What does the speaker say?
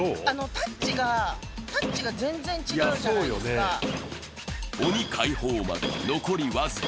タッチが全然違うじゃないですか。